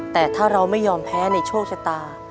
แต่ถ้าเราไม่ยอมแพ้ในโชคชะตา